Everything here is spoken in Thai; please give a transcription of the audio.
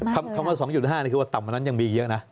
๐๑๓เขาคำว่า๒๕คือต่ำก็ยังมีเยอะนะ